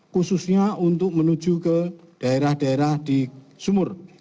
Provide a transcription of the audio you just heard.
khususnya untuk menuju ke daerah daerah di sumur